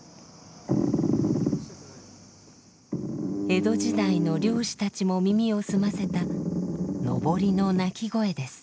江戸時代の漁師たちも耳を澄ませた幟の鳴き声です。